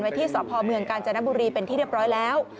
ที่สพเมืองกาญจนบุรีเป็นที่เรียบร้อยแล้ว